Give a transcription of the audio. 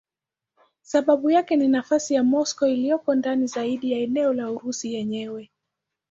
Sababu yake ni nafasi ya Moscow iliyoko ndani zaidi ya eneo la Urusi yenyewe.